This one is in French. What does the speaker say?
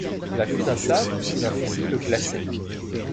La vue d’un sabre ou d’un fusil le glaçait.